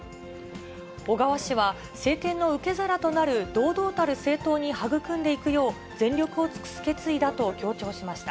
小川氏は、政権の受け皿となる堂々たる政党に育んでいくよう、全力を尽くす決意だと強調しました。